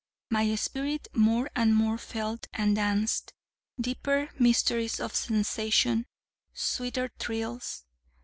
My spirit more and more felt, and danced deeper mysteries of sensation, sweeter thrills.